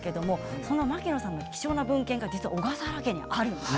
その牧野さんの貴重な文献が小笠原家にあるんです。